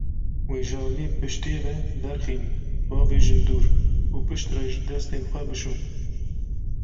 Wê ji aliyê piştê ve derxînin, bavêjin dûr, û piştre jî destên xwe bişon.